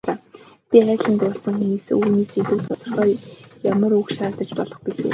Би хайрлан дурласан хүнээсээ үүнээс илүү тодорхой ямар үг шаардаж болох билээ.